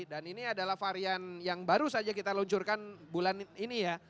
dan ini adalah varian yang baru saja kita luncurkan bulan ini ya